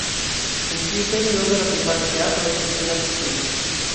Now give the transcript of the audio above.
En tiu periodo la privata teatro estis finance firma.